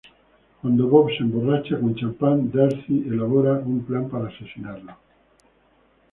Cuando Bob se emborracha con champán, Darcy elabora un plan para asesinarlo.